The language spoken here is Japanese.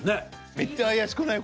めっちゃ怪しくない？